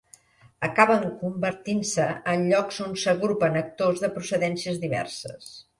Acaben convertint-se en llocs on s'agrupen actors de procedències diverses.